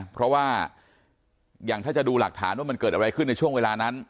เพราะว่าอย่างถ้าจะดูหลักฐานว่ามันเกิดอะไรขึ้นในช่วงเวลานั้น